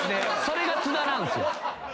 それが津田なんすよ。